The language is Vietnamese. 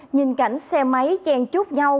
nhìn cảnh xe máy chen chút nhau